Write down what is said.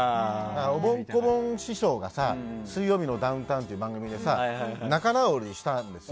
おぼん・こぼん師匠が「水曜日のダウンタウン」っていう番組で仲直りしたんです。